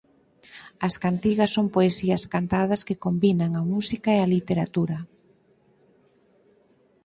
As cantigas son poesías cantadas que combinan a música e a literatura.